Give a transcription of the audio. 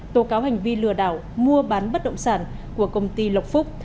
tố cáo hành vi lừa đảo mua bán bất động sản của công ty lộc phúc